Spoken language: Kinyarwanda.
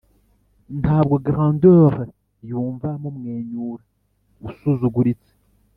ntabwo grandeur yumva numwenyura usuzuguritse